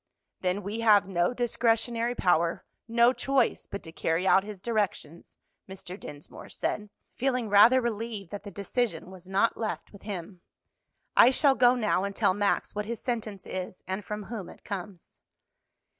"Then we have no discretionary power, no choice but to carry out his directions," Mr. Dinsmore said, feeling rather relieved that the decision was not left with him. "I shall go now and tell Max what his sentence is, and from whom it comes.